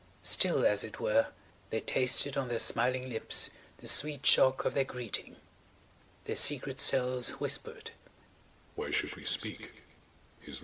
Still, as it were, they tasted on their smiling lips the sweet shock of their greeting. Their secret selves whispered: "Why should we speak?